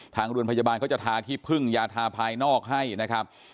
ทางโรงพยาบาลเขาจะทาขี้พึ่งยาทาภายนอกให้นะครับ